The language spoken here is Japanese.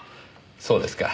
そうですか。